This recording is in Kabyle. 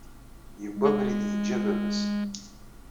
Yewwi abrid yeǧǧa baba-s.